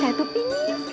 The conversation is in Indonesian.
saya tuh pindis